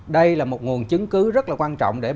đây là một nguồn chứng cứ rất là quan trọng